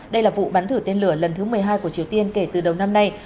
đây là vụ bắn thử tên lửa lần thứ một mươi hai của triều tiên kể từ đầu năm nay